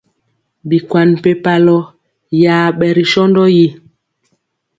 Bikwan mpempalɔ yaɓɛ ri sɔndɔ yi.